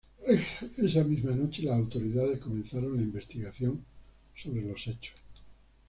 Esa misma noche las autoridades comenzaron la investigación sobre los hechos.